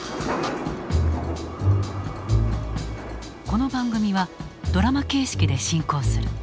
この番組はドラマ形式で進行する。